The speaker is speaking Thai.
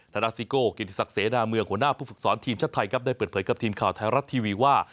นาซิโก้กิติศักดิเสนาเมืองหัวหน้าผู้ฝึกสอนทีมชาติไทยครับได้เปิดเผยกับทีมข่าวไทยรัฐทีวีว่า